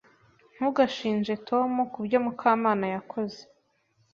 Ntugashinje Tom kubyo Mukamana yakoze.